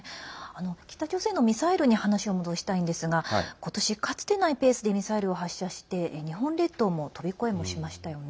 北朝鮮のミサイルに話を戻したいんですが今年、かつてないペースでミサイルを発射して日本列島も飛び越えもしましたよね。